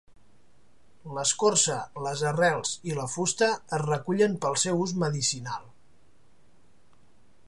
L'escorça, les arrels i la fusta es recullen pel seu ús medicinal.